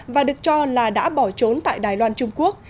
và được cho là đã bỏ trốn tại đài loan trung quốc